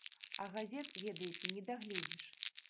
А газет, ведаеце, не дагледзіш.